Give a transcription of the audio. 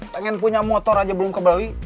pengen punya motor aja belum ke bali